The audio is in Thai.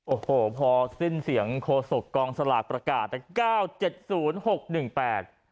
โอ้โหพอสิ้นเสียงโคศกกองสลากประกาศนะเก้าเจ็ดศูนย์หกหนึ่งแปด